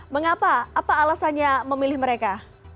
mengapa apa alasannya memilih mereka